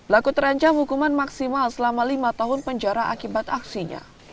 laku terancam hukuman maksimal selama lima tahun penjara akibat aksinya